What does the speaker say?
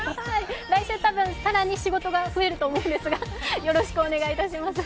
来週、多分更に仕事が増えると思うんですがよろしくお願いします。